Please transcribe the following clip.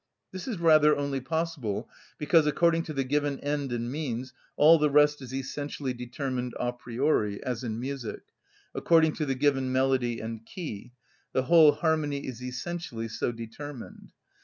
This is rather only possible because, according to the given end and means, all the rest is essentially determined a priori, as in music, according to the given melody and key, the whole harmony is essentially so determined.